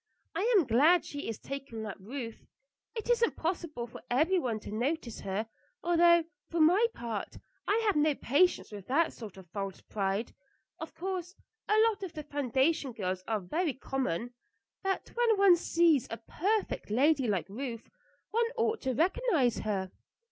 I am glad she is taking up Ruth. It isn't possible for every one to notice her; although, for my part, I have no patience with that sort of false pride. Of course, a lot of the foundation girls are very common; but when one sees a perfect lady like Ruth one ought to recognize her."